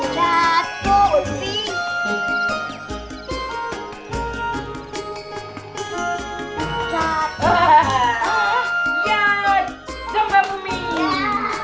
ya jatuh umi